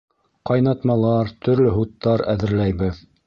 Ҡайнатмалар, төрлө һуттар әҙерләйбеҙ.